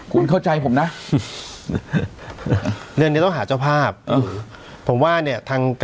คุณเข้าใจผมนะเงินนี้ต้องหาเจ้าภาพผมว่าเนี่ยทาง